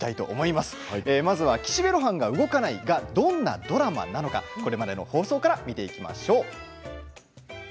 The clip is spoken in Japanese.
まずは「岸辺露伴は動かない」がどんなドラマなのか、これまでの放送から見ていきましょう。